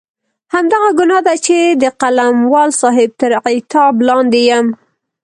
همدغه ګناه ده چې د قلموال صاحب تر عتاب لاندې یم.